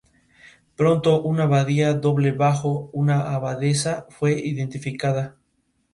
Pronto una abadía doble bajo una abadesa fue edificada.